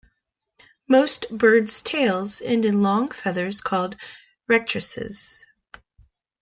Most birds' tails end in long feathers called rectrices.